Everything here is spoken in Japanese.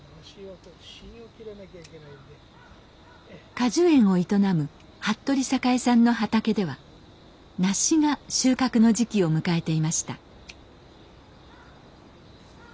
果樹園を営む服部栄さんの畑ではナシが収穫の時期を迎えていました。